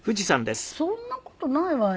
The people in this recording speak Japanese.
そんな事ないわよ。